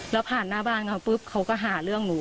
แล้วผ่านหน้าบ้านเขาก็หาเรื่องหนู